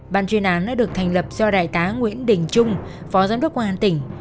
ban chuyên án đã được thành lập do đại tá nguyễn đình trung phó giám đốc công an tỉnh